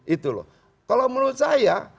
itu loh kalau menurut saya